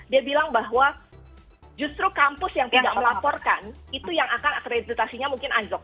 dia bilang bahwa justru kampus yang tidak melaporkan itu yang akan akreditasinya mungkin anjlok